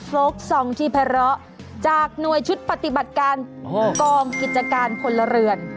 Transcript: โฟล์กซองที่แพระจากหน่วยชุดปฏิบัติการกองกิจการคนละเรือน